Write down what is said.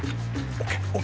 ＯＫＯＫ。